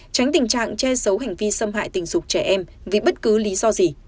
tránh tình trạng che giấu hành vi xâm hại tình dục trẻ em vì bất cứ lý do gì